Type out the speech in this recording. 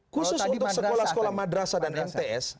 khusus di sekolah sekolah madrasah dan mts